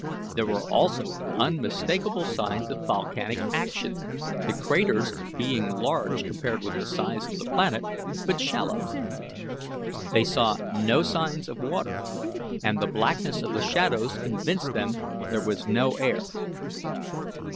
There were also unmistakable signs of volcanic action, the craters being large compared with the size of the planet, but shallow. They saw no signs of water, and the blackness of the shadows convinced them there was no air.